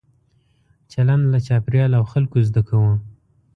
چلند له چاپېریال او خلکو زده کوو.